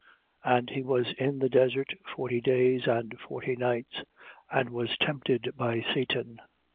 1:13. And he was in the desert forty days and forty nights, and was tempted by Satan.